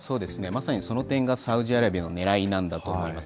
まさにその点がサウジアラビアのねらいなんだと思います。